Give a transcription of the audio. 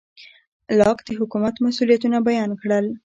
لاک د حکومت مسوولیتونه بیان کړل.